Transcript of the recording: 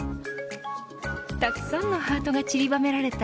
たくさんのハートが散りばめられた